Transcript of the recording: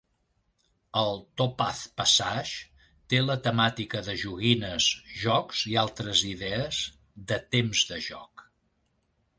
El "Topaz Passage" té la temàtica de joguines, jocs i altres idees "de temps de joc".